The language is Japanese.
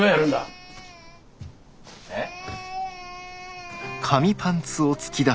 えっ？